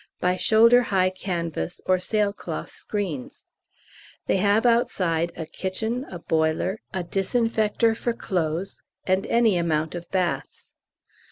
by shoulder high canvas or sailcloth screens; they have outside a kitchen, a boiler, a disinfector for clothes, and any amount of baths.